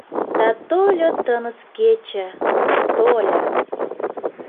Да тольо тыныс кече, тольо!